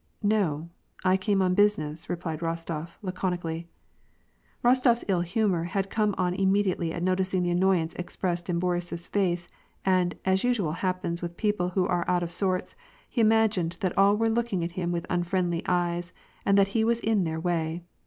"No, I came on business," replied Rostof, laconically. Rostof 's ill humor had coiua on immediately at noticing the annoyance expressed in Boris's face, and, as usually happens with people who are out of sorts, he imagined that all were looking at him with unfriendly eyes, and that he was in their way.